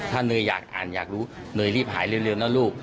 ถ้าเนยอยากอ่านอยากรู้เนยรีบหายเร็วนะลูก